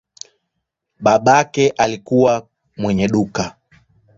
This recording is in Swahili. Babake alikuwa mwenye duka.